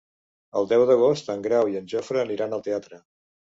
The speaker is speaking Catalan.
El deu d'agost en Grau i en Jofre aniran al teatre.